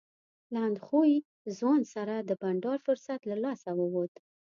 له اندخویي ځوان سره د بنډار فرصت له لاسه ووت.